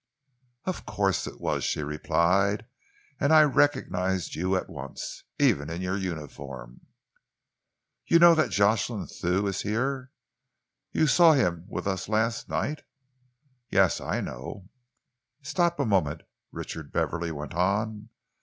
"Of course it was," she replied, "and I recognised you at once, even in your uniform." "You know that Jocelyn Thew is here? You saw him with us last night?" "Yes, I know." "Stop a moment," Richard Beverley went on.